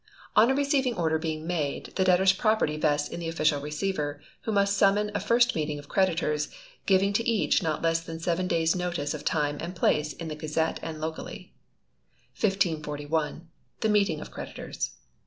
On a receiving order being made, the debtor's property vests in the Official Receiver, who must summon a first meeting of creditors, giving to each not less than seven days' notice of time and place in the 'Gazette' and locally. 1541. The Meeting of Creditors.